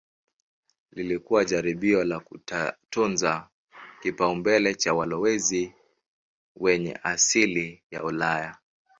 Lilikuwa jaribio la kutunza kipaumbele cha walowezi wenye asili ya Ulaya.